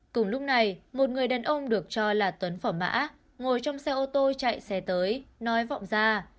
cùng lúc này một người đàn ông được cho là tuấn phở mã ngồi trong xe ô tô chạy xe tới nói vọng ra